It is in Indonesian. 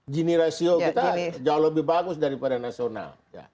gini ratio kita jauh lebih bagus daripada nasional